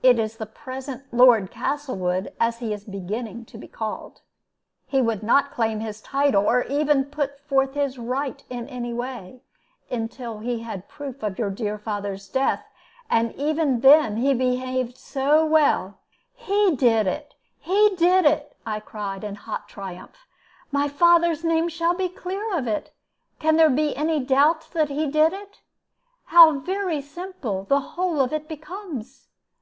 "It is the present Lord Castlewood, as he is beginning to be called. He would not claim the title, or even put forward his right in any way, until he had proof of your dear father's death; and even then he behaved so well " "He did it! he did it!" I cried, in hot triumph. "My father's name shall be clear of it. Can there be any doubt that he did it? How very simple the whole of it becomes!